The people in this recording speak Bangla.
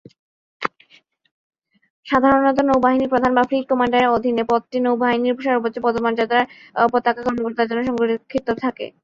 সাধারণত নৌবাহিনী প্রধান বা ফ্লিট কমান্ডারের অধীনে, পদটি নৌবাহিনীর সর্বোচ্চ-পদমর্যাদার পতাকা কর্মকর্তার জন্য সংরক্ষিত থাকে।